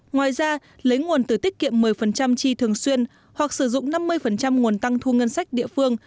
ngoài ra lấy nguồn từ tiết kiệm một mươi chi thường xuyên hoặc sử dụng năm mươi nguồn tăng thu ngân sách địa phương